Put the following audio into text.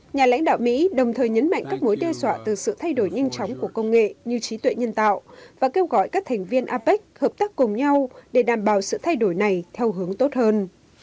nhà lãnh đạo mỹ đồng thời nhấn mạnh các mối đe dọa từ sự thay đổi nhanh chóng của công nghệ như trí tuệ nhân tạo và kêu gọi các thành viên apec hợp tác cùng nhau để đảm bảo sự thay đổi này theo hướng tốt hơn